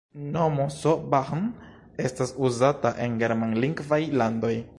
Nomo S-Bahn estas uzata en germanlingvaj landoj.